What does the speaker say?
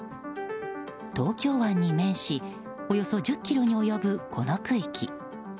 東京湾に面しおよそ１０ｋｍに及ぶこの区域。